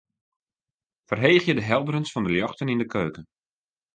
Ferheegje de helderens fan de ljochten yn de keuken.